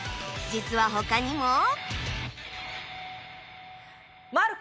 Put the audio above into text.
実は他にもおお！